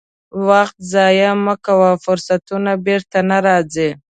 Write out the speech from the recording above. وخت ضایع مه کوه، فرصتونه بیرته نه راځي.